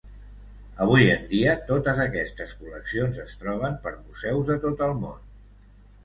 Avui en dia totes aquestes col·leccions es troben per museus de tot el món.